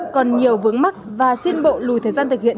còn nhiều vướng mắc và xin bộ lùi thời gian thực hiện